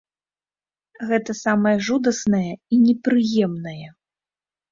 Гэта самае жудаснае і непрыемнае.